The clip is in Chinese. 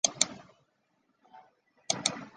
巴育拉翁的母亲是拉玛一世王后的姐妹。